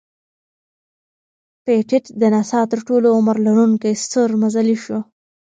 پېټټ د ناسا تر ټولو عمر لرونکی ستور مزلی شو.